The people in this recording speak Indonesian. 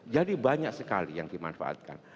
jadi banyak sekali yang dimanfaatkan